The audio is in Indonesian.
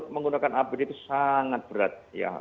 menggunakan apd itu sangat berat ya